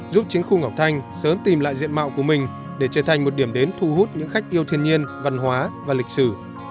giúp chính khu ngọc thanh sớm tìm lại diện mạo của mình để trở thành một điểm đến thu hút những khách yêu thiên nhiên văn hóa và lịch sử